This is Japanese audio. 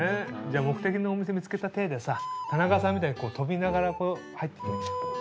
じゃあ目的のお店見つけた体でさ田中さんみたいに跳びながら入って来てみてよ。